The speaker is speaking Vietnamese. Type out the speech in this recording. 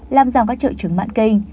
một làm giảm các triệu chứng mạn kinh